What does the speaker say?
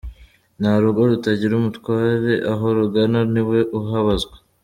Nta rugo rutagira umutware, aho rugana niwe uhabazwa.